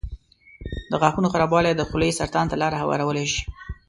د غاښونو خرابوالی د خولې سرطان ته لاره هوارولی شي.